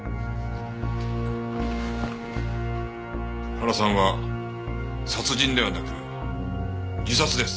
原さんは殺人ではなく自殺です。